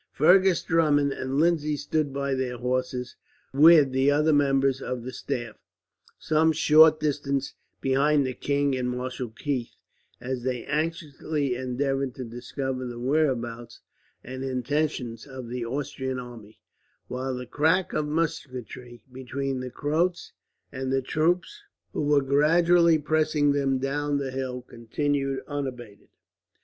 Fergus Drummond and Lindsay stood by their horses, with the other members of the staff, some short distance behind the king and Marshal Keith, as they anxiously endeavoured to discover the whereabouts and intentions of the Austrian army; while the crack of musketry, between the Croats and the troops who were gradually pressing them down the hill, continued unabated.